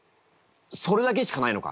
それだけしかないのか！？